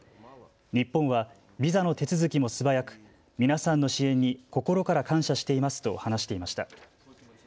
日本はビザの手続きも素早く皆さんの支援に心から感謝していますと話していました。